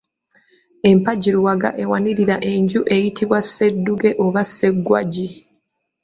Empagi luwaga ewanirira enju eyitibwa Sseddugge oba Sseggwagi.